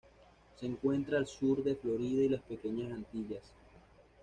Se encuentra al sur de Florida y las Pequeñas Antillas.